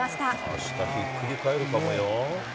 あしたひっくり返るかもよ。